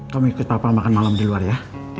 kamu ikut apa makan malam di luar ya